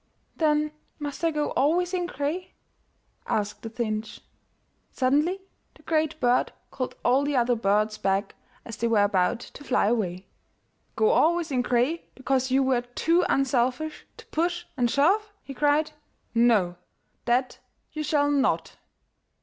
*'Then must I go always in gray?'' asked the finch. Suddenly the Great Bird called all the other birds back as they were about to fly away. "Go always in gray because you were too unselfish to push and shove !'* he cried. ''No ! that you shall not